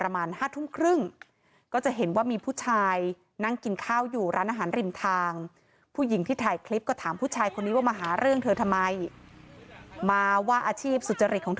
มันเลยมีเหตุทะเลาะกัน